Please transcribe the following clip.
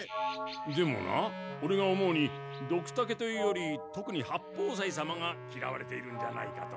でもなオレが思うにドクタケというよりとくに八方斎様がきらわれているんじゃないかと。